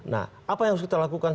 nah apa yang harus kita lakukan